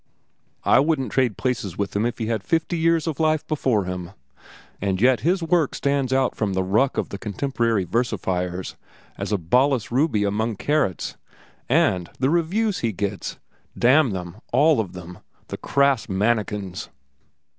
I wouldn't trade places with him if he had fifty years of life before him. And yet his work stands out from the ruck of the contemporary versifiers as a balas ruby among carrots. And the reviews he gets! Damn them, all of them, the crass manikins!"